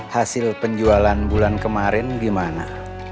hasil penjualan bulan kemarin gimana